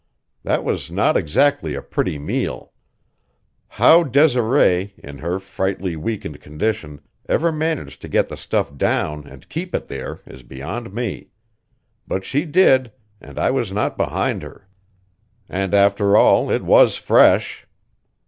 That was not exactly a pretty meal. How Desiree, in her frightfully weakened condition, ever managed to get the stuff down and keep it there is beyond me. But she did, and I was not behind her. And, after all, it was fresh.